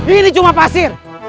ini cuma pasir